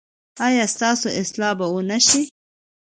ایا ستاسو اصلاح به و نه شي؟